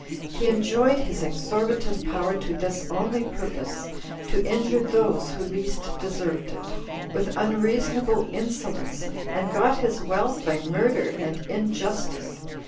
He enjoyed his exorbitant power to this only purpose, to injure those who least deserved it, with unreasonable insolence and got his wealth by murder and injustice.